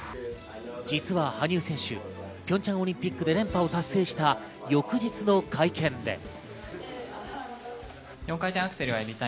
実は羽生選手、ピョンチャンオリンピックで連覇を達成した翌日の会見で。